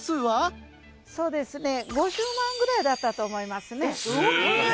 そうですね５０万ぐらいだったと思いますね。